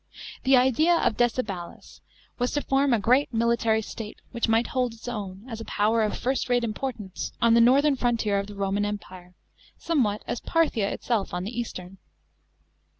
The idea of Decebalus was to form a great military state, which might hold its own, as a power of first rate importance, on the northern frontier of the Roman Empire, somewhat as Parthia itself on the eastern.